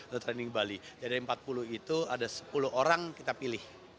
jadi dari empat puluh itu ada sepuluh orang kita pilih